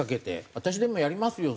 私でもやりますよ